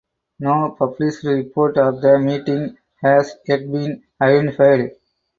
No published report of the meeting has yet been identified.